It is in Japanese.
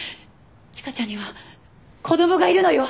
千佳ちゃんには子供がいるのよ！